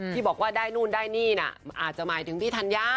ที่บอกว่าได้นู่นได้นี่น่ะอาจจะหมายถึงพี่ธัญญา